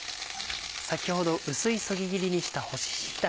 先ほど薄いそぎ切りにした干し椎茸。